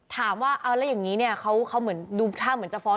ถามว่าเอาแล้วอย่างนี้เนี่ยเขาเหมือนดูท่าเหมือนจะฟ้อง